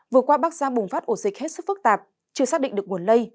vừa qua bắc giang bùng phát ổ dịch hết sức phức tạp chưa xác định được nguồn lây